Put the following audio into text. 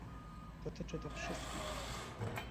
Dotyczy to wszystkich